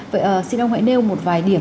vậy xin ông hãy nêu một vài điểm